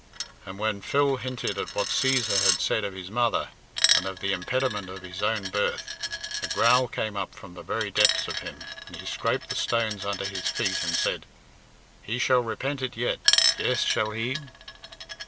And when Phil hinted at what Cæsar had said of his mother and of the impediment of his own birth, a growl came up from the very depths of him, and he scraped the stones under his feet and said, "He shall repent it yet; yes, shall he."